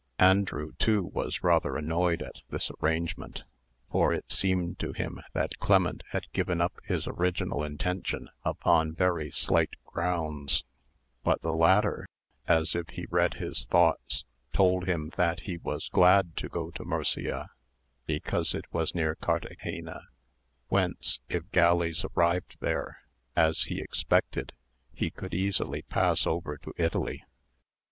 Andrew too was rather annoyed at this arrangement; for it seemed to him that Clement had given up his original intention upon very slight grounds; but the latter, as if he read his thoughts, told him that he was glad to go to Murcia, because it was near Carthagena, whence, if galleys arrived there, as he expected, he could easily pass over to Italy.